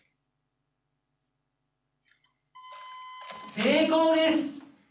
成功です！